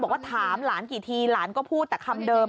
บอกว่าถามหลานกี่ทีหลานก็พูดแต่คำเดิม